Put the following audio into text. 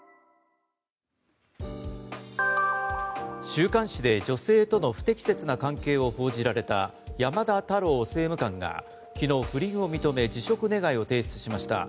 週刊誌で女性との不適切な関係を報じられた山田太郎政務官が昨日、不倫を認め辞職願を提出しました。